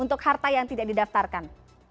untuk harta yang tidak didaftarkan